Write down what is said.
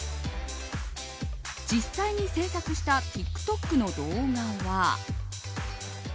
実際に制作したＴｉｋＴｏｋの動画は。